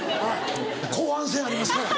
後半戦ありますから。